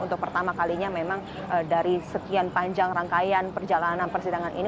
untuk pertama kalinya memang dari sekian panjang rangkaian perjalanan persidangan ini